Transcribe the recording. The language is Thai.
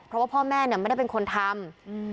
เพราะว่าพ่อแม่เนี่ยไม่ได้เป็นคนทำ